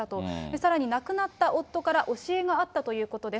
さらに亡くなった夫から教えがあったということです。